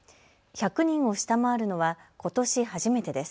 １００人を下回るのはことし初めてです。